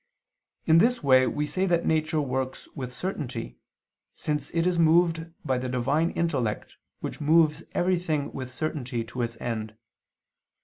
In this way we say that nature works with certainty, since it is moved by the Divine intellect which moves everything with certainty to its end.